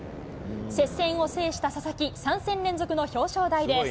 接戦を制した佐々木、３戦連続の表彰台です。